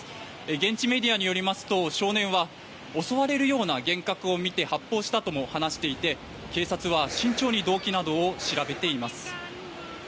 現地メディアによりますと少年は襲われるような幻覚を見て発砲したとも話していて警察は、慎重に動機などを調べています。